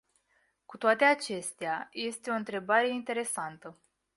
Cu toate acestea, este o întrebare interesantă.